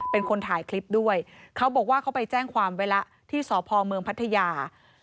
เป็นคนถ่ายคลิปด้วยเขาบอกว่าเขาไปแจ้งความไว้แล้วที่สพเมืองพัทยา